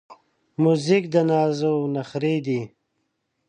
موزیک د نازو نخری دی.